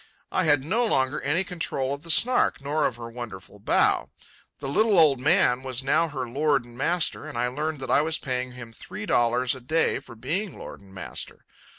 I had no longer any control of the Snark, nor of her wonderful bow. The little old man was now her lord and master, and I learned that I was paying him three dollars a day for being lord and master.